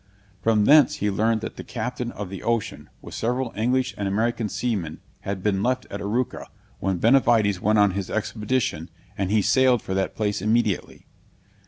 From thence he learned that the captain of the Ocean, with several English and American seamen had been left at Arauca, when Benavides went on his expedition, and he sailed for that place immediately.